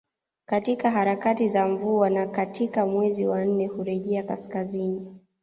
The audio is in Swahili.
Katika harakati za mvua na katika mwezi wa nne hurejea kaskazini